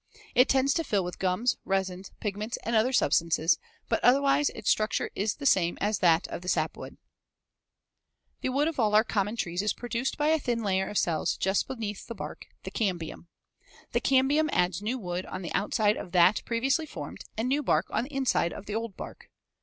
It tends to fill with gums, resins, pigments and other substances, but otherwise its structure is the same as that of the sapwood. [Illustration: FIG. 145. Cross section of Oak.] The wood of all our common trees is produced by a thin layer of cells just beneath the bark, the cambium. The cambium adds new wood on the outside of that previously formed and new bark on the inside of the old bark.